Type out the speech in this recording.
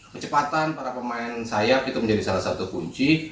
kecepatan para pemain sayap itu menjadi salah satu kunci